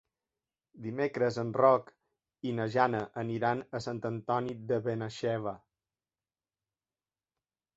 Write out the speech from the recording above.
Dimecres en Roc i na Jana aniran a Sant Antoni de Benaixeve.